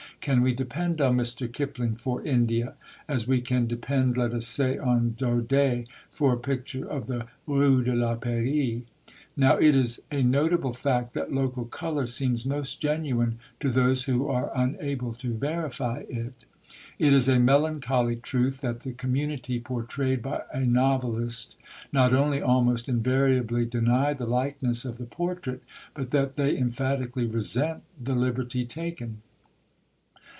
Can we depend on Mr. Kipling for India, as we can depend (let us say) on Daudet for a picture of the Rue de la Paix? Now it is a notable fact that local colour seems most genuine to those who are unable to verify it. It is a melancholy truth that the community portrayed by a novelist not only almost invariably deny the likeness of the portrait, but that they emphatically resent the liberty taken.